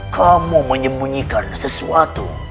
kamu menyembunyikan sesuatu